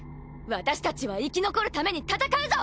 私たちは生き残るために戦うぞ！